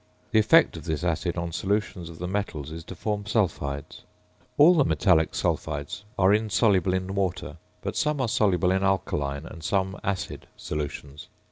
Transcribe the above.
The effect of this acid on solutions of the metals is to form sulphides. All the metallic sulphides are insoluble in water; but some are soluble in alkaline, and some in acid, solutions.